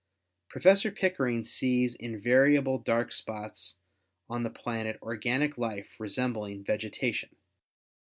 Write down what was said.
Professor Pickering sees in variable dark spots on the planet organic life resembling vegetation.